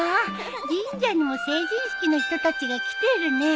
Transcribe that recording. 神社にも成人式の人たちが来てるね。